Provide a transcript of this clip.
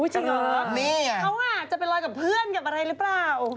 จริงเหรอเขาจะไปลอยกับเพื่อนกับอะไรหรือเปล่า